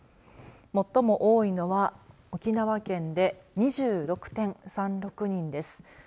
最も多いのは沖縄県で２６．３６人です。